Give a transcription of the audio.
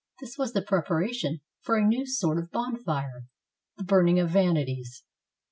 This was the preparation for a new sort of bonfire, — the Burning of Vanities.